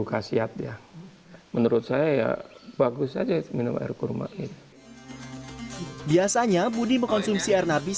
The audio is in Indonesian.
khasiat ya menurut saya ya bagus aja minum air kurma biasanya budi mengkonsumsi air nabis